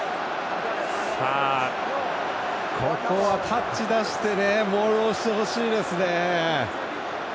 ここはタッチ出してモールしてほしいですね。